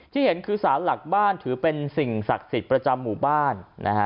ที่เห็นคือสารหลักบ้านถือเป็นสิ่งศักดิ์สิทธิ์ประจำหมู่บ้านนะฮะ